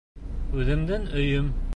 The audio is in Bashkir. Үҙемдең өйөм!